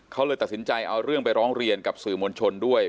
เขาเลยตัดสินใจเอาเรื่องไปร้องเรียนกับสื่อมวลชนด้วย